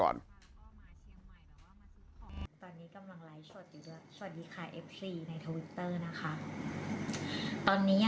ตอนนี้กำลังไลฟ์ชวดอยู่เยอะ